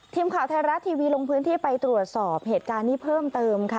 ทีมข่าวไทยรัฐทีวีลงพื้นที่ไปตรวจสอบเหตุการณ์นี้เพิ่มเติมค่ะ